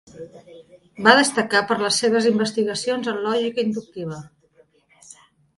Va destacar per les seves investigacions en lògica inductiva.